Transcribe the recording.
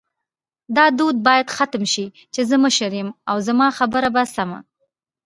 دا دود باید ختم شې چی زه مشر یم او زما خبره به سمه